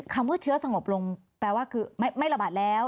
คำว่าเชื้อสงบลงแปลว่าคือไม่ระบาดแล้ว